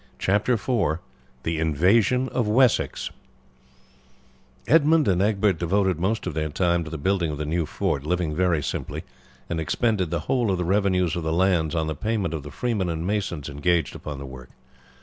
CHAPTER IV: THE INVASION OF WESSEX Edmund and Egbert devoted most of their time to the building of the new fort, living very simply, and expended the whole of the revenues of the lands on the payment of the freemen and masons engaged upon the work.